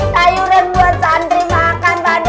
sayuran buat santri makan tadi